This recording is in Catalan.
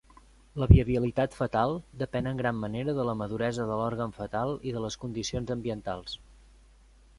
La viabilitat fetal depèn en gran manera de la maduresa de l'òrgan fetal i de les condicions ambientals.